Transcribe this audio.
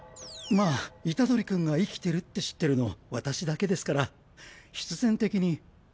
まあ虎杖君が生きてるって知ってるの私だけですから必然的に。